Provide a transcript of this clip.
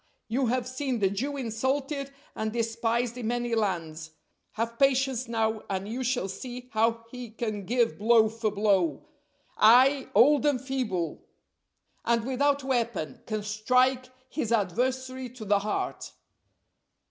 you have seen the Jew insulted and despised in many lands; have patience now and you shall see how he can give blow for blow; ay! old, and feeble, and without a weapon, can strike his adversary to the heart."